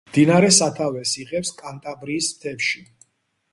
მდინარე სათავეს იღებს კანტაბრიის მთებში.